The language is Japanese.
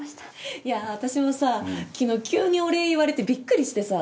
いや私もさぁ昨日急にお礼言われてビックリしてさ。